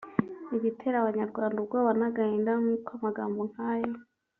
Igitera abanyarwanda ubwoba n’agahinda nuko amagambo nkayo